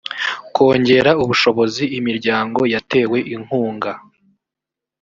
kongera ubushobozi imiryango yatewe inkunga